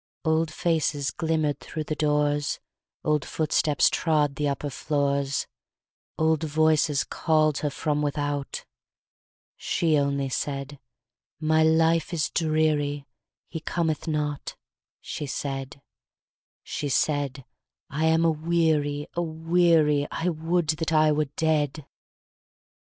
Old faces glimmer'd thro' the doors, Old footsteps trod the upper floors, Old voices call'd her from without. She only said, 'My life is dreary, He cometh not,' she said; She said, 'I am aweary, aweary,' I would that I were dead!'